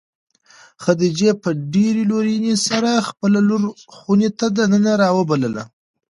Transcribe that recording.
خدیجې په ډېرې لورېنې سره خپله لور خونې ته د ننه راوبلله.